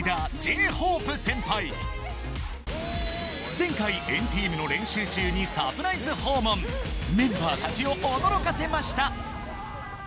前回＆ＴＥＡＭの練習中にサプライズ訪問メンバーたちを驚かせました